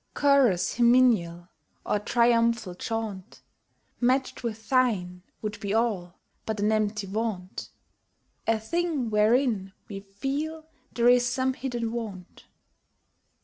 Chorus hymeneal Or triumphal chaunt, Match'd with thine, would be all But an empty vaunt A thing wherein we feel there is some hidden want.